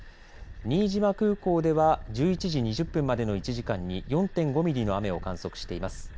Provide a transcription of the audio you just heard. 新島空港では１１時２０分までの１時間に４．５ミリの雨を観測しています。